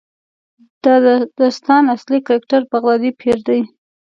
د داستان اصلي کرکټر بغدادي پیر دی.